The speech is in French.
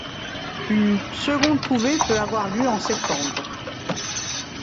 Une seconde couvée peut avoir lieu en septembre.